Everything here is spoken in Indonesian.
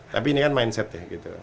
tapi ini kan mindsetnya gitu